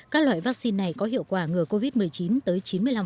các loại vaccine này có hiệu quả ngừa covid một mươi chín tới chín mươi năm